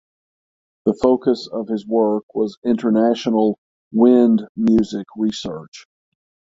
The focus of his work was international wind music research.